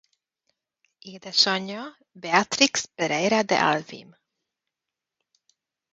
Édesanyja Beatrix Pereira de Alvim.